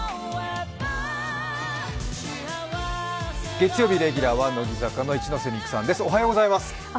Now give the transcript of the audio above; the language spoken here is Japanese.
月曜日レギュラーは乃木坂の一ノ瀬美空さんです。